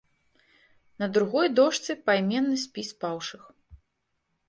На другой дошцы пайменны спіс паўшых.